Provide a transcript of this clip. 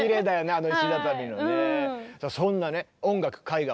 あの石畳のね。